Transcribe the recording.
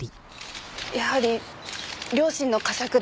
やはり良心の呵責です。